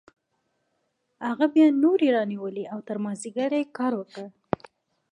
هغه بیا نورې رانیولې او تر مازدیګره یې کار وکړ